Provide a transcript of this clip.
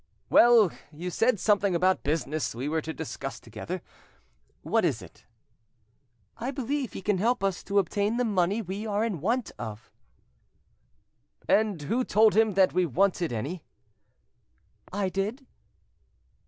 "Well, you said something about business we were to discuss together —what is it?" "I believe he can help us to obtain the money we are in want of." "And who told him that we wanted any?" "I did."